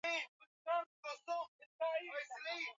zikiwapima wanafunzi kuona iwapo wanatumia dawa za kulevya